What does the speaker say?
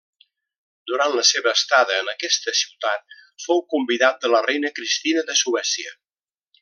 Durant la seva estada en aquesta ciutat fou convidat de la reina Cristina de Suècia.